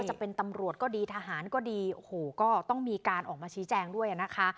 จะเป็นตำรวจก็ดีทหารก็ดีก็ต้องมีออกมานี่แจ้งด้วย